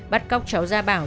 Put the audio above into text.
bắt cóc cháu gia bảo